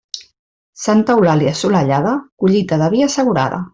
Santa Eulàlia assolellada, collita de vi assegurada.